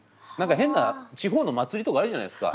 変な地方の祭りとかあるじゃないですか。